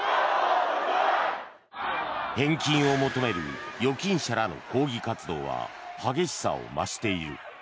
返金を求める預金者らの抗議活動は激しさを増している。